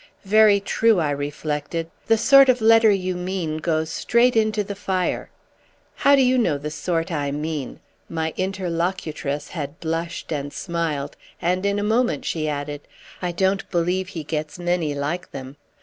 "Very true," I reflected; "the sort of letter you mean goes straight into the fire." "How do you know the sort I mean?" My interlocutress had blushed and smiled, and in a moment she added: "I don't believe he gets many like them!"